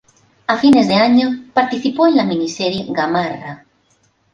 A fines de año, participó en la miniserie "Gamarra".